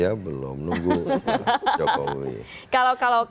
ya belum nunggu jokowi